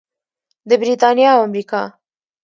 د بریتانیا او امریکا.